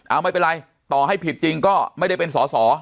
เอาไม่เป็นไรต่อให้ผิดจริงก็ไม่ได้เป็นสอสอ